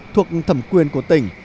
thuộc thẩm quyền của tỉnh